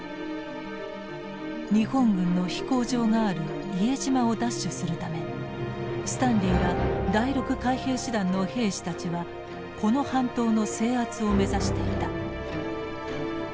日本軍の飛行場がある伊江島を奪取するためスタンリーら第６海兵師団の兵士たちはこの半島の制圧を目指していた。